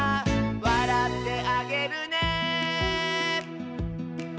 「わらってあげるね」